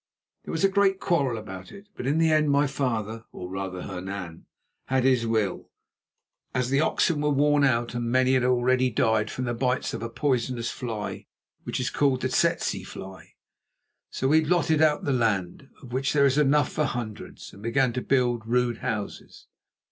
There was a great quarrel about it, but in the end my father, or rather Hernan, had his will, as the oxen were worn out and many had already died from the bites of a poisonous fly which is called the tsetse. So we lotted out the land, of which there is enough for hundreds, and began to build rude houses.